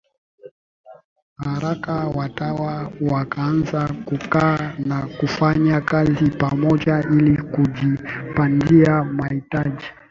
haraka watawa wakaanza kukaa na kufanya kazi pamoja ili kujipatia mahitaji